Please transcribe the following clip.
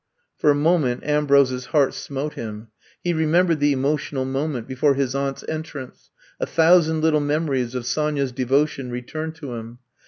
'* For a moment Ambrose's heart smote him. He remembered the emotional mo ment before his aunt's entrance; a thou sand little memories of Sonya 's devotion returned to him.